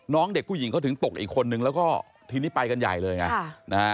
เด็กผู้หญิงเขาถึงตกอีกคนนึงแล้วก็ทีนี้ไปกันใหญ่เลยไงนะฮะ